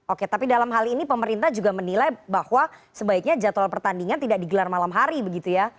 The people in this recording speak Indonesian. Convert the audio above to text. oke tapi dalam hal ini pemerintah juga menilai bahwa sebaiknya jadwal pertandingan tidak digelar malam hari begitu ya